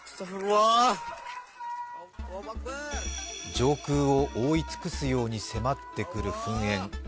上空を覆い尽くすように迫ってくる噴煙。